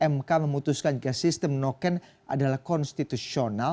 mk memutuskan jika sistem noken adalah konstitusional